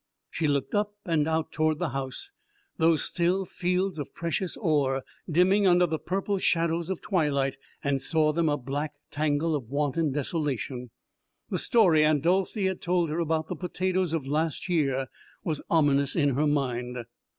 She looked up and out toward those still fields of precious ore, dimming under the purple shadows of twilight, and saw them a black tangle of wanton desolation. The story Aunt Dolcey had told her about the potatoes of last year was ominous in her mind.